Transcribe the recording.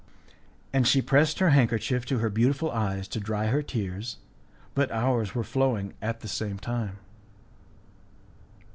And she pressed her handkerchief to her beautiful eyes to dry her tears, but ours were flowing at the same time.